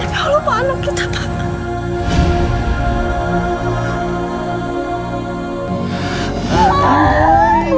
ya allah pak anak lutap pak